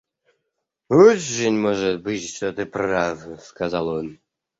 Очень может быть, что ты прав, — сказал он.